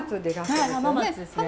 はい浜松ですね。